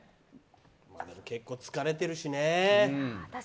結構疲れてるしね。